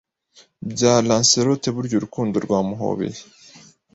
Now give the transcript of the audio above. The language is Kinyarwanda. Bya Lancelot burya urukundo rwamuhobeye